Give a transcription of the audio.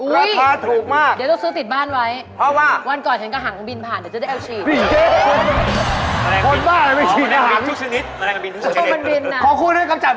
ราคาถูกมาก